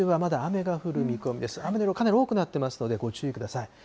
雨の量、かなり多くなっていますので、ご注意ください。